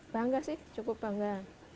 bangga sih cukup bangga